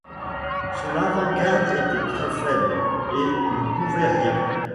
Son avant-garde était très faible, et ne pouvait rien.